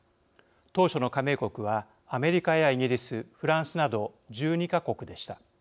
当初の加盟国はアメリカやイギリスフランスなど１２か国でした。